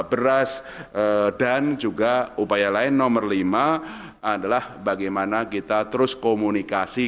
beras dan juga upaya lain nomor lima adalah bagaimana kita terus komunikasi